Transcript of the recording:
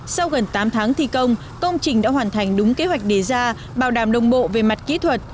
sau gần tám tháng thi công công trình đã hoàn thành đúng kế hoạch đề ra bảo đảm đồng bộ về mặt kỹ thuật